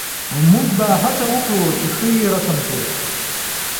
موږ به هڅه وکړو چې ښه یې رسم کړو